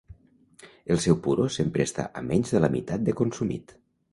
El seu puro sempre està a menys de la meitat de consumit.